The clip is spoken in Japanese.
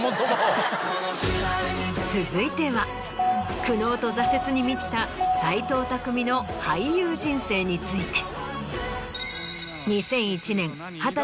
続いては苦悩と挫折に満ちた斎藤工の俳優人生について。